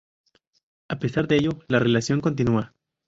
A pesar de ello, la relación continúa.